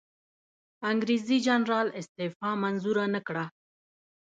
انګریزي جنرال استعفی منظوره نه کړه.